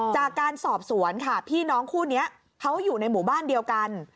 จากการสอบสวนค่ะพี่น้องคู่นี้เขาอยู่ในหมู่บ้านเดียวกัน